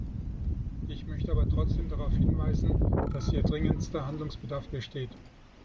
Ich möchte aber trotzdem darauf hinweisen, dass hier dringendster Handlungsbedarf besteht.